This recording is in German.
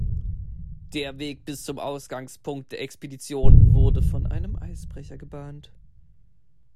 Der Weg bis zum Ausgangspunkt der Expedition wurde von einem Eisbrecher gebahnt.